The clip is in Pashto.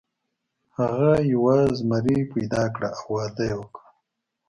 هغه یوه زمریه پیدا کړه او واده یې وکړ.